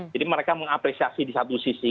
jadi mereka mengapresiasi di satu sisi